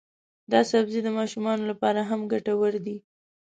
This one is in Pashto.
دا سبزی د ماشومانو لپاره هم ګټور دی.